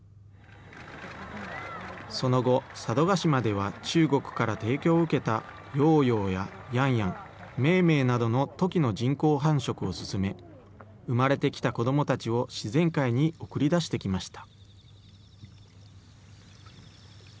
その後、佐渡島では中国から提供を受けた友友や洋洋、美美などのトキの人工繁殖を進め、産まれてきた子どもたちを自然界に送り出してきました。